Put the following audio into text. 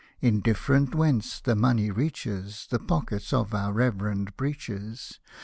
Indifferent whence the money reaches The pockets of our reverend breeches.